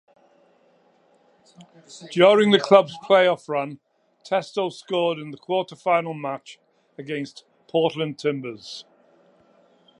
During the club's playoff run Testo scored in the quarterfinal match against Portland Timbers.